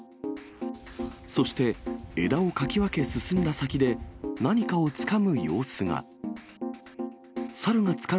そして、枝をかき分け進んだ先で、何かをつかむ様子が。